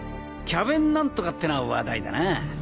キャベン何とかってのは話題だな。